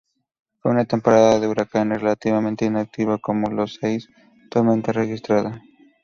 Fue una temporada de huracanes relativamente inactiva, con solo seis tormentas registradas.